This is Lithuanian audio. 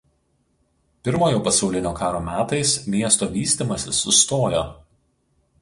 Pirmojo pasaulinio karo metais miesto vystymasis sustojo.